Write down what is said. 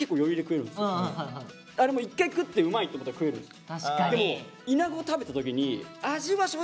だからあれも一回食ってうまいって思ったら食えるんです。